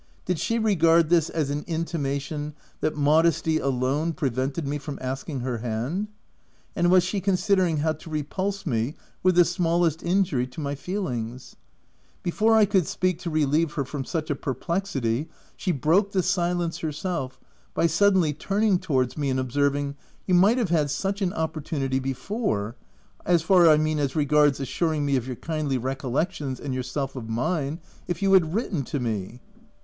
Did she regard this as an inti mation that modesty alone prevented me from asking her hand ? and was she considering how to repulse me with the smallest injury to my feelings ? Before I could speak to relieve her from such a perplexity, she broke the silence herself by suddenly turning towards me and observing —" You might have had such an opportunity before — as far I mean as regards assuring me of your kindly recollections, and yourself of mine, if you had written to me."